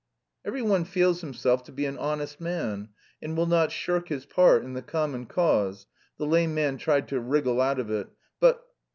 "Every one feels himself to be an honest man and will not shirk his part in the common cause" the lame man tried to wriggle out of it "but..."